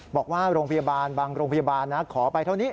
บอกว่าบางโรงพยาบาลขอไปเท่านี้